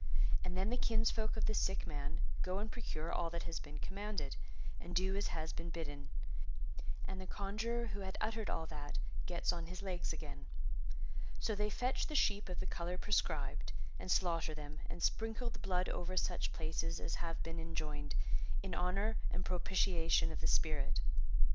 And then the kinsfolk of the sick man go and procure all that has been commanded, and do as has been bidden, and the conjuror who had uttered all that gets on his legs again. So they fetch the sheep of the colour prescribed, and slaughter them, and sprinkle the blood over such places as have been enjoined, in honour and propitiation of the spirit.